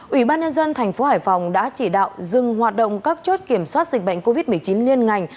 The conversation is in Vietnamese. ủy ban nhân dân thành phố hải phòng đã chỉ đạo dừng hoạt động các chốt kiểm soát dịch bệnh covid một mươi chín liên ngành